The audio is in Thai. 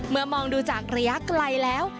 เมื่อมองดูจากระยะไกลแล้ว